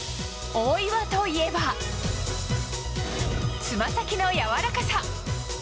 大岩といえばつま先のやわらかさ。